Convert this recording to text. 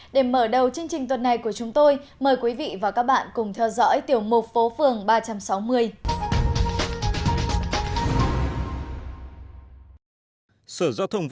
để mở đầu chương trình tuần này của chúng tôi mời quý vị và các bạn cùng theo dõi tiểu mục phố phường ba trăm sáu mươi